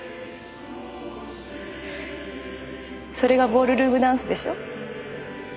それがボールルームダンスでしょ？